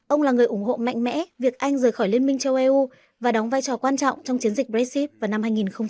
ông là người ủng hộ mạnh mẽ việc anh rời khỏi liên minh châu eu và đóng vai trò quan trọng trong chiến dịch brexit vào năm hai nghìn một mươi